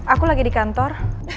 aku lagi di kantor